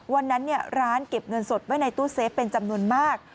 วันนั้นร้านเก็บเงินสดไว้ในตู้เซฟเป็นจำนวนมาก